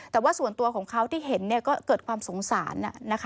แต่ว่าส่วนตัวของเขาที่เห็นก็เกิดความสงสาร